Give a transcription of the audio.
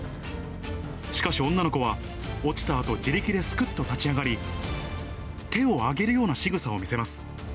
しかし、女の子は落ちたあと、自力ですくっと立ち上がり、手を挙げるようなしぐさを見せます。